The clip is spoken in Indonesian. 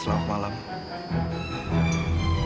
saya ingin mengurus semuanya sendiri